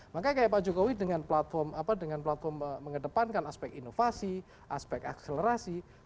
makanya kayak pak jokowi dengan platform mengedepankan aspek inovasi aspek akselerasi